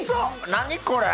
何これ！